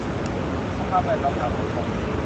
สภาพแวดล้อมทางสังคม